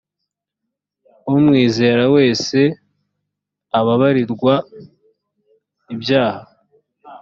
umwizera wese ababarirwa ibyaha